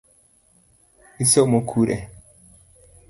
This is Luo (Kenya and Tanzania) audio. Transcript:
Isomo kure?